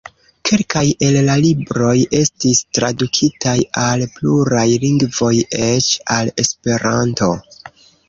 Kelkaj el la libroj estis tradukitaj al pluraj lingvoj, eĉ al Esperanto.